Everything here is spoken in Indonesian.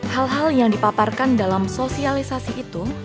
hal hal yang dipaparkan dalam sosialisasi itu